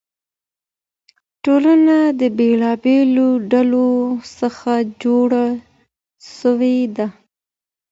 ټولنه د بېلابېلو ډلو څخه جوړه سوې ده.